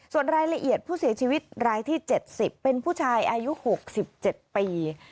ส่วนรายละเอียดผู้เสียชีวิตรายที่๗๐เป็นผู้ชายอายุ๖๗ปี